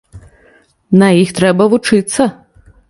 На іх трэба вучыцца.